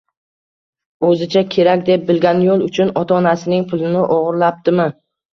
o‘zicha kerak deb bilgan yo‘l uchun ota-onasining pulini o‘g‘irlaptimi